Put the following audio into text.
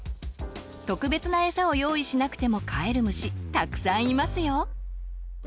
特別なエサを用意しなくても飼える虫たくさんいますよ！